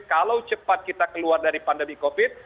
kalau cepat kita keluar dari pandemi covid